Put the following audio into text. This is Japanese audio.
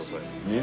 肉。